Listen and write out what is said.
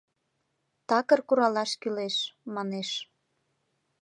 «Такыр куралаш кӱлеш», — манеш.